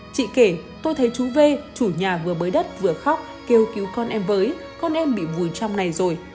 chị kể tôi thấy chú v chủ nhà vừa bới đất vừa khóc kêu cứu con em với con em bị bùi trong này rồi